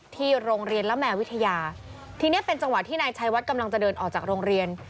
ที่โรงเรียนละแม่วิทยาทีนี้เป็นจังหวะที่นายชัยวัดกำลังจะเดินออกจากโรงเรียน